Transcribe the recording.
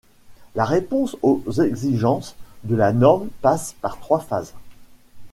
La réponse aux exigences de la norme passe par trois phases.